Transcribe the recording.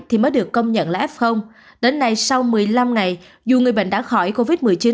thì mới được công nhận là f đến nay sau một mươi năm ngày dù người bệnh đã khỏi covid một mươi chín